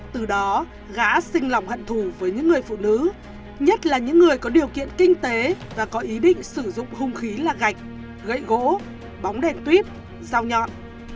từ đó gã sinh lòng hận thù với những người phụ nữ nhất là những người có điều kiện kinh tế và có ý định sử dụng hung khí là gạch gậy gỗ bóng đen tuyếp dao nhọn